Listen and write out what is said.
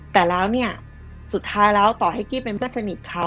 แต่สุดท้ายแล้วต่อให้กิ๊บเป็นเพื่อนสนิทเขา